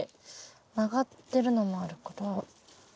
曲がってるのもあるから。